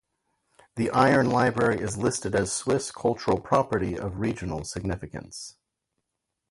The Iron Library is listed as Swiss cultural property of regional significance.